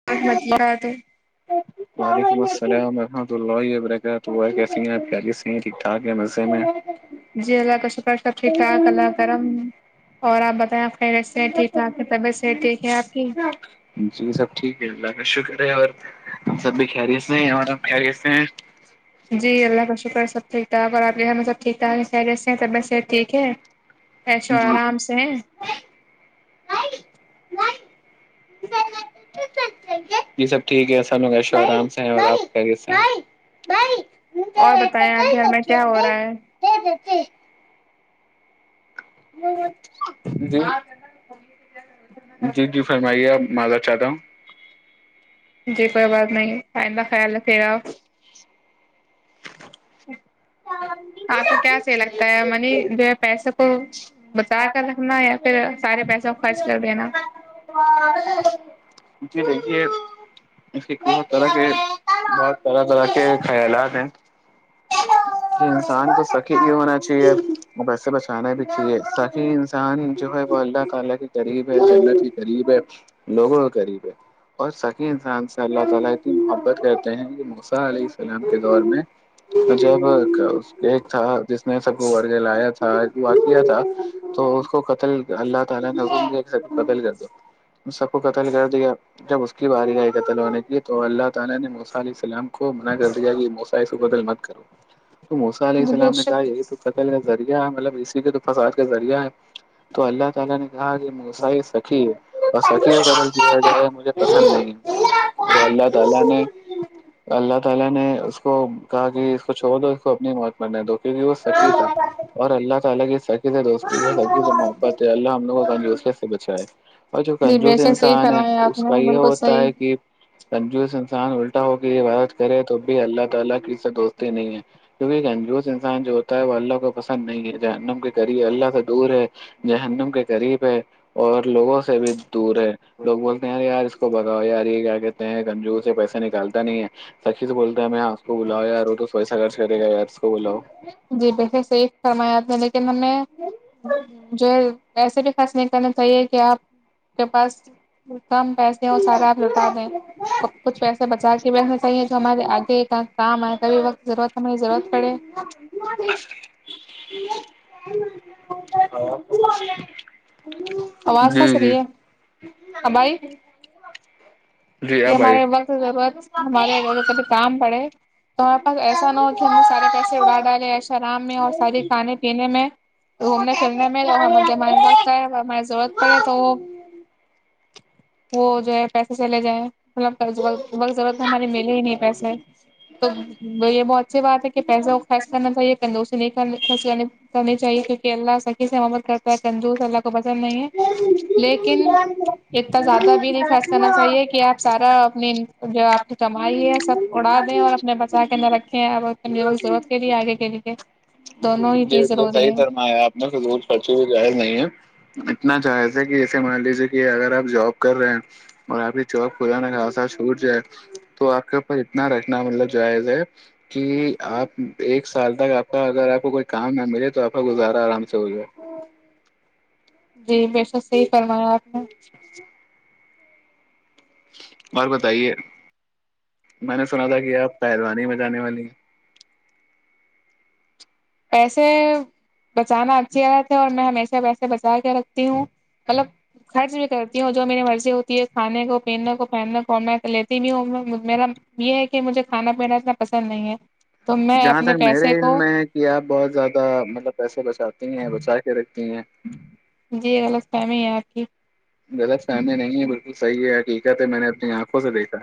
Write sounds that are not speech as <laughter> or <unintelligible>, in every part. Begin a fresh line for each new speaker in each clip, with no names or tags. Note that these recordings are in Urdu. <inaudible>
وعلیکم السلام رحمۃ اللہ و برکاتہ بھائی کیسی ہیں آپ خیریت سے ہیں ٹھیک ٹھاک ہے مزے میں
جی اللہ کا شکر سب ٹھیک ٹھاک اللہ کرم اور آپ بتائیں خیریت سے ہیں ٹھیک ٹھاک ہے طبیعت صحت ٹھیک ہے آپ کی
جی سب ٹھیک ہے اللہ کا شکر ہے اور ہم سب بھی خیریت سے ہیں اور ہم خیریت سے ہیں
جی اللہ کا شکر سب ٹھیک ٹھاک اور آپ کے گھر میں سب ٹھیک ٹھاک ہیں خیریت سے طبعت صحت ٹھیک ہے ایشو
جی
آرام سے ہیں
جی سب ٹھیک ہے سب ایشو آرام سے ہیں اور آپ خیریت سے ہیں
اور بتائیں آپ کے گھر میں کیا ہو رہا ہے
<unintelligible> جی جی جی فرمائیے معزرت چاہتا ہوں
جی کوئی بات نہیں ائندہ خیال رکھے گا آپ کو کیا صحیح لگتا ہے منی جو ہے پیسے کو بچہ کر رکھنا یا پھر سارے پیسوں کو خرچ کر دینا
جی دیکھئے اسکی کیمت الگ ہے اور طرح طرح کے خیالات ہیں کہ انسان کو سخ کہ یہ ہونا چاہیے بسے بچانا بھی چاہیے سخی انسان جو ہے وہ اللہ تعالی کی قریب ہے جنت کے قریب ہے لوگوں کے قریب ہے اور سکی انسان سے اللہ تعالی اتی محبت کرتے ہیں کہ موسی علیہ السلام کے دور میں جب ایک تھا جس نے سب کو ورگ لایا تھا وا کیا تھا تو اس کو قتل اللہ تعالی نے حکوم کیا کہ سب کو قتل کر دو سب کو قتل کر دیا جب اس کی باری گئی قتل ہونے کی تو اللہ تعالی نے موسی علیہ السلام کو منع کر دیا کہ موسی اسکو قتل مت کرو تو موسی علیہ
جی بے
السلام نے
شک
کہا یہ تو قتل کا ذریعہ مطلب اسی کے تو فساد کا ذریعہ ہے تو اللہ تعالی نے کہا کہ موسی یہ سخی ہے اور سخی کو قتل کیا جاۓ مجھے پسند نہیں ہے تو اللہ تعالی نے اللہ تعالی نے اس کو کہا کہ اسکو چھوڈ دو اس کو اپنی موت مرنے دو کیونکہ وہ سخی تھا اور اللہ تعالی کی س خی دوستی سخی سے محبت ہے اللہ ہم لوگ کو کنجوسی سے بچائے اور جو
جی بے
کنجوس
شک صحیح
انسان ہے
فرمایا آپ
اس
نے
کا یہ
بالکل
ہوتا
صحیح
ہے کہ کنجوس انسان الٹا ہو کے عبادت کرے تو بھی اللہ تعالی کی اسے دوست ی نہیں ہے کیونکہ کنجوس انسان جو ہوتا ہے وہ اللہ کو پسند نہیں ہے جہنم کے قریب اللہ سے دور ہے جہنم کے قریب ہے اور لوگوں سے بھی دور ہے لوگ بولتے ہیں یار اس کو بگاؤ یار یہ کیا کہتے ہیں کنجوور سے پیسے نکالتے نہیں ہے سخی سے بولتا ہے میں اس کو بلاؤ یار وہ تو سوی سش کرے گا یار اس کو بلاؤ
جی بلکل صحیح فرمایا میں لیکن ہم نے جو ہے ویسے بھی خاص نہیں کرنا چاہیے کہ آپ کے پاس کم پیسے ہو سارے آپ لوٹا دیں کچھ پیسے بچا کے بھی رکھنا چاہیے جو ہمارے آگے کام آںے کبھی وقت ضرورت ہمیں ضرورت پڑے آواز
امم
پھنس رہی ہے اب آئی
امم
کہ ہمارے وقت ضرورت ہمارے انہوں نے کبھی کام پڑے ہے تو ہمارے پاس ایسا نہ ہو کہ ہم نے سارے پیسے اگا ڈالے ایش و آرام میں اور سارے کھانے پینے میں گھومنے پھرنے میں اور جب ہمیں ضرورت پڑے تو وہ وہ جو ہے پیسے چلے جائیں مطلب وقت ضرورت تو ہماری ملے ہی نہیں ہے پیسے تو یہ بہت اچھی بات ہے کہ پیسہ خرچ کرنا چاہیے کند اسے نہیں خرچ کرنے کرنی چاہیے کیونک اللہ ثقی سے محبت کرتا ہے کنجوس اللہ کو پسند نہیں ہے لیکن اتنا زیادہ بھی نہیں خرچ کرنا چاہیے کہ آپ سارا اپنی جو آپ کی کمائی ہے سب اڑا دیں اور اپنے بچا کے نہ رکھیں اور ضرورت ری آگے کے لیے دونوں ہی
جی
چیز
بالکل
ضروری
صحیح
ہے
فرمایا آپ نے فضول خرچی ہو جائز نہیں ہے اتنا جایز کہ ایسے مان لیجیے کہ اگر آپ جاب کر رہے ہیں اور آپ کی جاب بھلانے کا راستہ چھوٹ جائے تو آپ کے اوپر اتنا رکھنا مطلب جائز ہے کہ آپ ایک سال تک آپ کا اگر آپ کو کوئی کام نہ ملے تو آپکا گزارا آرام سے ہو جائے
جی بے شک صحیح فرمایا آپ نے
اور بتائیے میں نے سنا تھا کہ آپ پہلوانی میں جانے والی ہیں
پیسے بچانا اچھی عادت ہے اور میں ہمیشہ پیسے بچا کے رکھتی ہوں مطلب خرچ بھی کرتی ہوں جو میری مرضی ہوتی ہے کھانے کو پینے کو پہننے کو میں لیتی بھی ہوں میرا یہ ہے کہ مجھے کھانا پینا اتنا پسند نہیں ہے تو میں
ہیں جہاں
اپنے
تک
پیسے
میرے
کو
علم میں ہے کہ آپ بہت زیادہ مطلب پیسے بچاتی ہیں بچا کے رکھتی ہیں
جی غلط فہمی ہے آپ کی
غلط فہمی نہیں ہے بلکل صحیح ہے ٹھیک ہے پہ میں نے اپنی آنکھوں سے دیکھا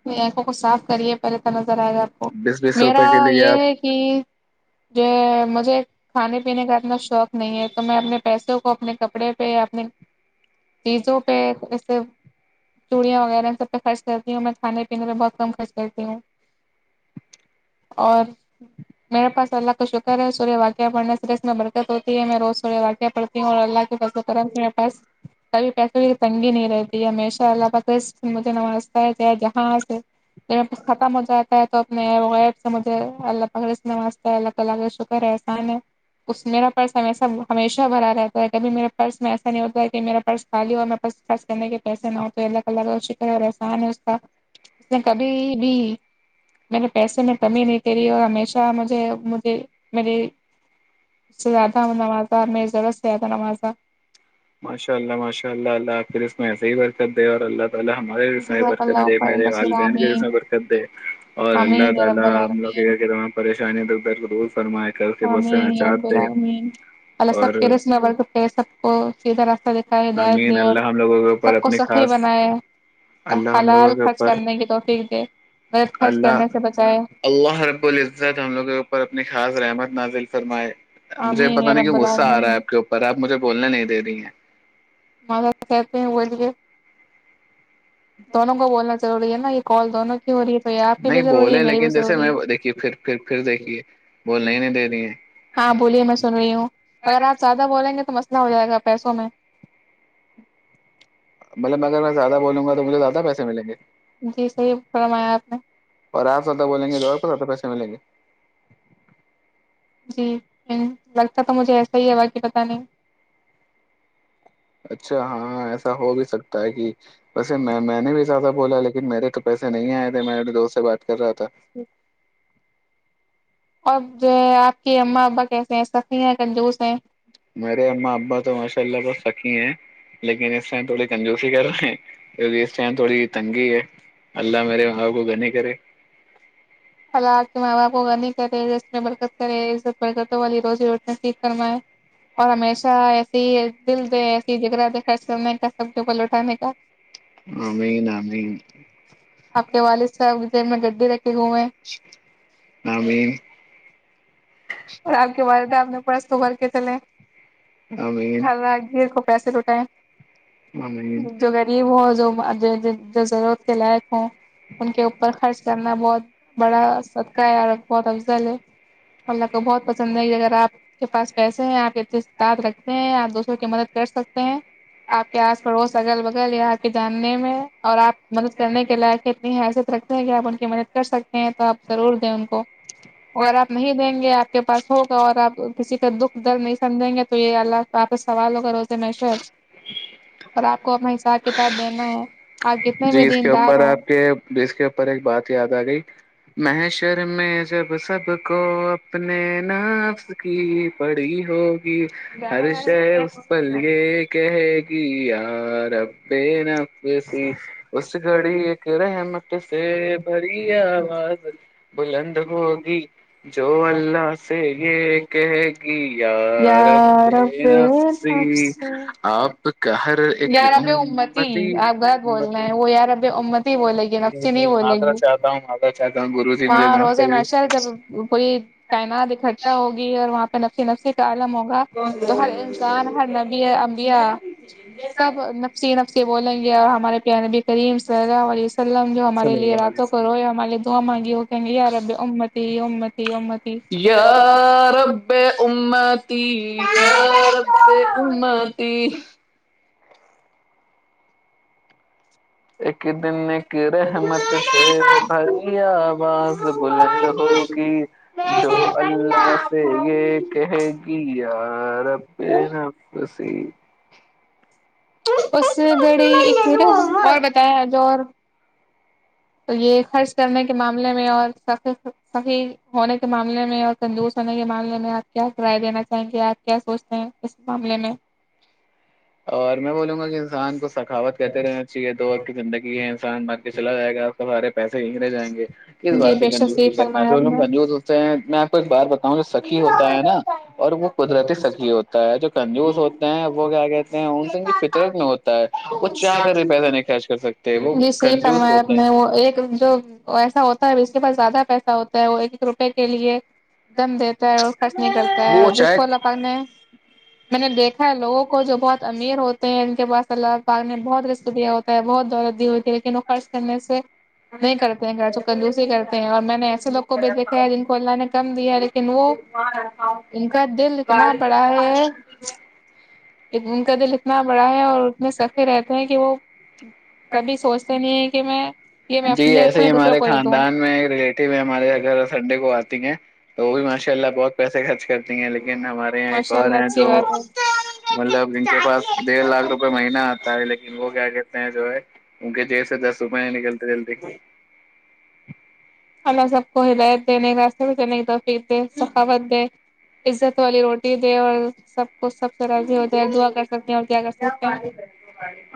اپنی آنکھوں کو صاف کریے پہلے تو نظر آئے گا آپ کو
بیس بیس روپے
میرا
کے لیے آپ
یہ ہے کہ کہ مجھے کھانے پینے کا اتنا شوق نہیں ہے تو میں اپنے پیسوں کو اپنے کپڑے پہ اپنے چیزوں پہ جیسے چوڑیاں وغیرہ سب پہ خرچ کرتی ہوں میں کھانے پینے میں بہت کم خرچ کرتی ہوں اور میرے پاس اللہ کاشکر ہے سورہ واقعہ پڑنے سے اس میں برکت دقت ہوتی ہے میں روز سورہ واقعہ پڑتی ہوں اور اللہ کے فضل و کرم سے میرے پاس کبھی پیسے کی تنگی نہیں رہتی ہمیشہ اللہ پاک رزق مجھے نوازتا ہے دےگا ہاں سر یہ ختم ہو جا تا ہے تو اپنے عیب و غیب سے مجھے اللہ تعالی رزق نوازتا ہے اللہ اللہ کاشکر احسان ہے اس میرا پرس ہمیشہ بھرا رہتا ہے کبھی میرا پرس میں ایسا نہیں ہوتا کہ میرا پرس خالی ہو اور میں پرس خرچ کرنے کے پیسے نہ تو اللہ تعالی کا شکر ہے اور احسان ہے اس کا اس نے کبھی بھی میرے پیسے میں کمی نہیں کری اور ہمیشہ مجھے مجھے میرے اس سے زیادہ نوازہ میری ضرورت سے زیادہ نوازہ
ماشاء اللہ ماشاء اللہ اللہ آپ اس میں ایسے ہی برکت دے اور اللہ تعالی ہمارے
جزاک
برکت
اللہ
دے
خیرا
میرے
کثیرا
والدین کے رس
آمین
برکت دے اور اللہ
آمین یا
تعالی
رب
ہم لوگ
العالمین
کہتے پریشانیں تو دور فرمایا گھر کے سے
آمین یا رب
نیجات دے
العالمین اللہ سب
اور
کے رزق میں برکت دے سب کو سیدھا ہدایت
امین
دے اور
اللہ ہم لوگوں کے اوپر
سب کو
اپنی
سخیح
خاص
بنائیں
اللہ ہم
حلال
لوگوں کے
خرچ
اوپر
کرنے کی توفیق دے غلط خرچ
اللہ
کرنے سے بچائے
اللہ رب العزت ہم لوگ کے اوپر اپنی خاص رحمت نازل فرمائے مجھے
آمین
پتا
یا
نہیں
رب
کہ غصہ آ رہا ہے
العالمین
آپ کے اوپر آپ مجھے بولنے نہیں دے رہی ہیں
<unintelligible> دونوں کو بولنا ضروری ہے نا یہ کال دونوں کی ہو رہی ہے تو یہ آپ کی
نہیں
بھی ضروری ہے
بولے
میری بھی
لیکن جیسے میں
ضروری
دیکھیے
ہے
پھر پھر پھر دیکھیے بولنا ہی نہیں دے رہی ہیں
ہاں بولیے میں سن رہی ہوں اگر آپ زیادہ بولیں گے تو مسئلہ ہو جائے گا پیسوں میں
مطلب اگر میں زیادہ بولوں گا تو مجھے زیادہ پیسے ملیں گے
جی سہی فرمایا آپ نے
اور آپ زیادہ بولیں گے تو آپ کو زیادہ پیسے ملیں گے
جی لگتا تو مجھے ایسا ہی ہے باقی پتا نہیں
اچھا ہاں ایسا ہو بھی سکتا ہے کہ ویسے میں میں نے بھی زیادہ بولا لیکن میرے تو پیسے نہیں آئے تھے میں اپنے دوست سے بات کر رہا تھا
جی اور جو ہے آپ کی اماں ابا کیسے ہیں سقی ہیں کنجوس ہیں
میرے اماں ابا تو ماشاء اللہ بہت سکی ہیں لیکن اس ٹائم تھوڑی کنجوسی کر رہے ہیں کی اس ٹائم تھوڑی تنگی ہے اللہ میرے بابا غنی کرے
اللہ آپکے ماں باپ غنی کرے رزق میں برکت کرے برکتوں والی روزی روٹی نصیب فرمائےیں اور ہمیشہ دل دے ایسی جگرا دے خرچا کرنے کا سبوں کو لوٹانے کا
آمین آمین
آپ کے والد صاحب جیب میں گڈی ر کے گھومیں
آمین
اور آپ کے والدہ آپ نے پڑس خبھر کے چلے
آمین
ہر راہگر کو پیسے لٹائے
آمین
جو گ <unintelligible> جو ضرورت کے لائق ہوں ان کے اوپر خرچ کرنا بہت بڑا اس کا ارکھوتاک جل اللہ کو بہت پسند ہے اگر آپ کے پاس پیسے ہیں آپ اتنے ساتھ رکھتے ہیں آپ دوسروں کی مدد کر سکتے ہیں آپ کے آس پڑوس اگل بگل یا آپ کے جاننے میں اور آپ مدد کرنے کے لائق اتنی حیثیت رکھتے ہیں کہ آپ ان کی مدد کر سکتے ہیں تو آپ ضرور دیں ان کو اور آپ نہیں دیں گے آپ کے پاس ہوگا اور آپ کسی کا دکھ درد نہیں سمجھیں گے تو یہ اللہ تو آپ سے سوال ہوگا روزے محشر اور آپ کو اپنا حساب کتاب دینا ہے آپ کتنے بھی
جی اس کے
دیندار
اوپر
ہو
آپ کے اس کے اوپر ایک بات یاد آ گئی محشر میں جب سب کو اپنے نفس کی پڑی ہو گی ہر شخص پر یہ کہی گی یا اپنے نفسی اس گھڑی ایک رحمت سے بھری آواز بلند ہوگی جو اللہ سے یہ کہی گی یا ربے
رب
نفسی
نفس
آپ کا ہر
یا ربے امتی آپ غلط بول رہے
امتی
ہے وہ یا ربے امتی بولے گی نفسی نہیں بولے
معذرا
گی
چاہتا ہوں معذرا چاہتا ہوں گرو جی مجھے
وہاں
معاف
روزے
کریے
محشر جب کوئی کائنات اکٹھا ہوگی اور وہاں پہ نفسی نفسی کا عالم ہوگا تو ہر انسان ہر نب یہ انبیاء سب نفسی نفسی بولیں گے اور ہمارے پیارے نبی کریم صلی اللہ علیہ سلم جو ہمارے
صلی
لیے
اللہ علیہ
راتوں کو
وسلم
روئے ہمارے دعا مانگی وہ کہے یا ربے امت امت
یا ربے امتی یا رب تے امتی ایک دن ایک رحمت سے بھری آواز بلند ہوگی جو اللہ سے یہ کہے گی یا ربے نفسی
اس گھڑی ایک رو اور بتاؤ آج اور تو یہ خرچ کرنے کے معاملے میں اور صحیح ہونے کے معاملے میں اور کنجوس ہونے کے معاملے میں آپ کیا رائے دینا چاہیں گے آپ کیا سوچتے ہیں اس معاملے میں
اور میں بولوں گا کہ انسان کو سخاوت کرتے رہنا چاہیے دو وقت کی زندگی ہے انسان مر کے چلا جائے گا اس کا سارے پیسے یہی رہ جائیں گے کس
جی
بات کی
بے شک صحیح
کنجوسی کرنا
فرمایا
جو
آپ
لوگ کنجوز
نے
ہوتے ہیں میں آپ کو ایک بات بتاؤں جو سخی ہوتا ہے نا اور وہ قدرتی سخی ہوتا ہے جو کنجوس ہوتے ہیں وہ کیا کہتے ان ان کی فطرت میں ہوتا ہے وہ چاہ کر بھی پیسے نہیں خرچ کر سکتے وہ
جی صحیح
کنجوس
فرمایا
ہوتے ہیں
وہ ایک جو ایسا ہوتا ہے اس کے پاس زیادہ پیسہ ہوتا ہے وہ ایک ایک روپے کے لیے دم دیتا ہے اور کٹ نہیں کرتا
وہ
ہے جس
چاہے
کولا پاننے میں نے دیکھا ہے لوگوں کو جو بہت امیر ہوتے ہیں ان کے پاس اللہ پاک نے بہت رزق دیا ہوتا ہے بہت دولت دی ہوتی ہے لیکن وہ خرچ کرنے سے نہیں کرتے ہیں گھر جو کنجوسی کرتے ہیں اور میں نے ایسے لوگ کو بھی دیکھا ہے جن کو اللہ نے کم دیا ہے لیکن نو ان کا دل اتنا بڑا ہے ان کا دل اتنا بڑا ہے اور اتنے سخی رہتے ہیں کہ وہ کبھی سوچتے نہیں ہے کہ میں یہ میں
جی
اپنے لیے
ایسے
رکھوں یا
ہی
دوسروں
ہمارے
کو دے دوں
خاندان ایک ریلیٹیو ہے ہمارے اگر سنڈے کو آتی ہیں تو وہ بھی ماشاء اللہ بہت پیسے خرچ کرتی لیکن ہمارے یہاں ایک
ماشاء
اور
اللہ
ہیں
اچھی
جو
بات ہے
مطلب جن کے پاس ڈیڑھ لاکھ روپئے روپ مہینہ آتا ہے لیکن وہ کیا کہتے ہیں جو ہے ان کے جیب سے دس روپئے نکلتے جلدی
اللہ سب کو ہدایت دینے راستے میں دینے توفیق دے سخاوت دے عزت والی روٹ دے اور سب کو سب سے راضی ہوتے ہیں دعا کر سکتے ہیں اور کیا کر سکتے ہیں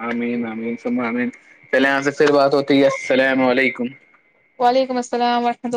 آمین آمین سما آمین چلے آپ سے پھر بات ہوتی ہے السلام علیکم
وعلیکم السلالسلام ورحمۃ اللہ